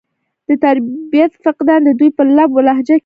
د تربيت فقدان د دوي پۀ لب و لهجه کښې